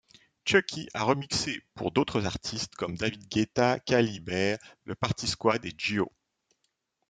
Chuckie a remixé pour d'autres artistes comme David Guetta, K-Liber, Le Partysquad, et Gio.